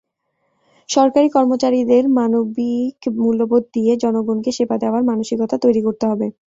সরকারি কর্মচারীদের মানবিক মূল্যবোধ দিয়ে জনগণকে সেবা দেওয়ার মানসিকতা তৈরি করতে হবে।